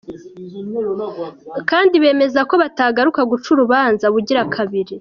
Kandi bemeza ko batagaruka guca urubanza ubugira kabiri.